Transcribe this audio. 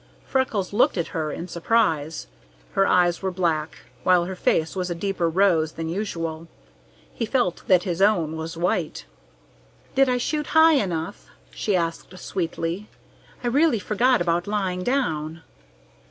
Freckles looked at her in surprise. Her eyes were black, while her face was a deeper rose than usual. He felt that his own was white. "Did I shoot high enough?" she asked sweetly. "I really forgot about lying down."